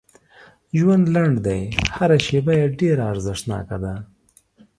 ژوند لنډ دی هر شیبه یې ډېره ارزښتناکه ده